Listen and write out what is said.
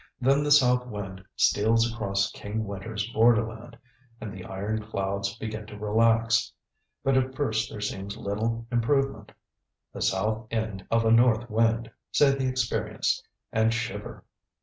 Then the south wind steals across King Winter's borderland, and the iron clouds begin to relax. But at first there seems little improvement. "The south end of a north wind," say the experienced, and shiver.